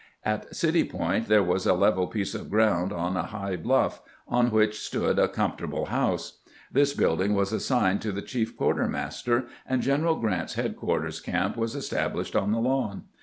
At City Point there was a level piece of ground on a high bluff, on which stood a com fortable house. This building was assigned to the chief quartermaster, and General Grant's headquarters camp was established on the lawn.